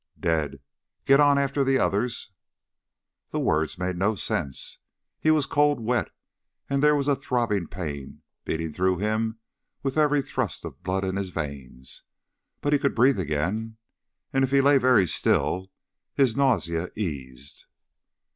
"... dead. Get on after the others!" The words made no sense. He was cold, wet, and there was a throbbing pain beating through him with every thrust of blood in his veins. But he could breathe again and if he lay very still, his nausea eased.